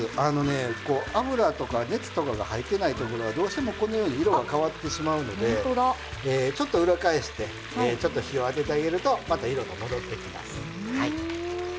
油と加熱とかが入っていないところはどうしても色が変わってしまうのでちょっと裏返して火を当ててあげるとまた色が戻ってきます。